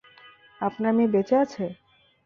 আপনার মেয়ে বেঁচে আছে?